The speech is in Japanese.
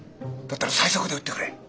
だったら最速で売ってくれ！